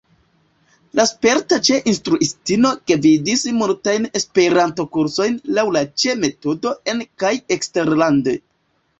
La sperta Ĉe-instruistino gvidis multajn Esperanto-kursojn laŭ la Ĉe-metodo en- kaj eksterlande.